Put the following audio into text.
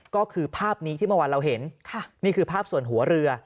ก็คือภาพนี้ที่เมื่อวานเราเห็นนี่คือภาพส่วนหัวเรือ